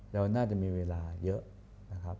เราน่าจะมีเวลาเยอะ